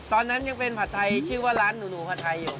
ตอนนั้นยังเป็นผัดไทยชื่อว่าร้านหนูผัดไทยอยู่